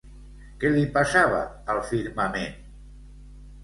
Què li passava al firmament?